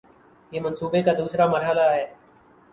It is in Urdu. یہ منصوبے کا دوسرا مرحلہ ہے